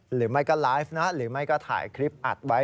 หรือไม่ก็ไลฟ์นะหรือไม่ก็ถ่ายคลิปอัดไว้